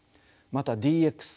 またＤＸ